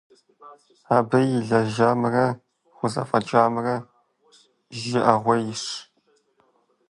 Абы илэжьамрэ, хузэфӀэкӀамрэ жыӀэгъуейщ.